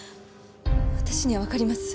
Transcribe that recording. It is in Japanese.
私には分かります。